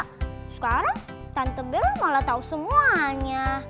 sekarang tante bella malah tau semuanya